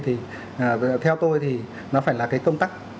thì theo tôi thì nó phải là cái công tác